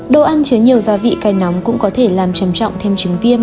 đồ ăn chứa nhiều gia vị cây nóng cũng có thể làm trầm trọng thêm trứng viêm